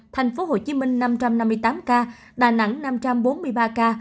thành phố hồ chí minh năm trăm năm mươi tám ca đà nẵng năm trăm bốn mươi ba ca